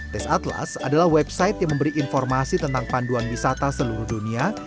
tes atlas adalah website yang memberi informasi tentang panduan wisata seluruh dunia